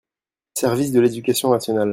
service de l'éducation nationale.